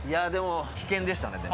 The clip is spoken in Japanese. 危険でしたね、でも。